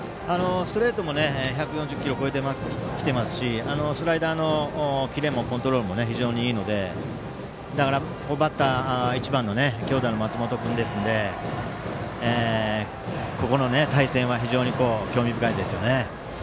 ストレートも１４０キロ超えてきていますしスライダーのキレもコントロールも非常にいいので、バッターは１番の強打の松本君ですのでこの対戦は非常に興味深いですね。